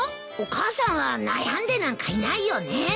お母さんは悩んでなんかいないよね？